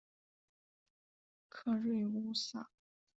克瑞乌萨。